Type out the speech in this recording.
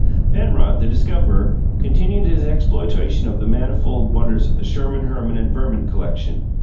Penrod, the discoverer, continued his exploitation of the manifold wonders of the Sherman, Herman, and Verman collection.